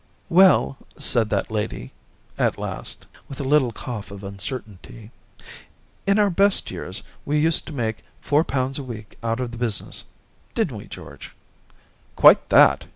* Well,' said that lady, at last, with a little cough of uncertainty, * in our best years we used to make four pounds a week out of the business — didn't we, George }'* Quite that